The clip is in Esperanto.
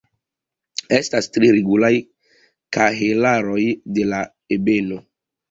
Estas tri regulaj kahelaroj de la ebeno.